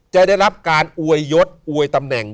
จะได้รับการอวยยศอวยตำแหน่ง